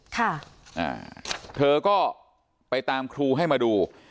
เค้าก็ไปตามครัวให้มาดู